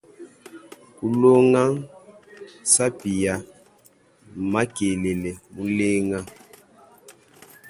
Kulonga nsapi ya makelele mulenga.